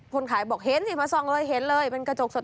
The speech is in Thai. คนขายบอกเห็นสิมาส่องเลยเห็นเลยเป็นกระจกสด